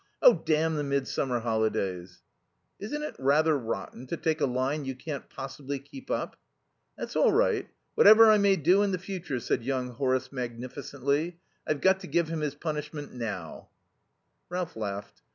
"Oh, damn the midsummer holidays!" "Isn't it rather rotten to take a line you can't possibly keep up?" "That's all right. Whatever I may do in the future," said young Horace magnificently, "I've got to give him his punishment now." Ralph laughed.